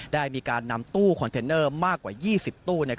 ได้มีการนำตู้คอนเทนเนอร์มากกว่า๒๐ตู้